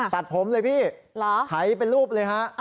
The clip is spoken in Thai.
ตัดผมเลยพี่ไถเป็นรูปเลยฮะ